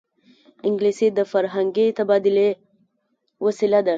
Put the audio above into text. انګلیسي د فرهنګي تبادلې وسیله ده